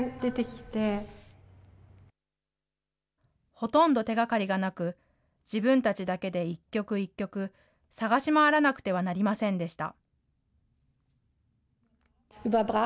ほとんど手がかりがなく、自分たちだけで一曲一曲、探し回らなくてはなりませんでした。